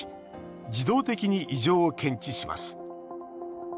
自動的に異常を検知します。